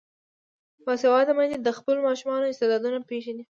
باسواده میندې د خپلو ماشومانو استعدادونه پیژني.